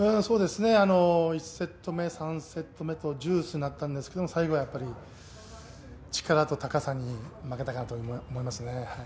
１セット目、３セット目とデュースになったんですけど、最後はやっぱり、力と高さに負けたかなと思いますね。